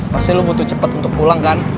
pasti lo butuh cepet untuk pulang kan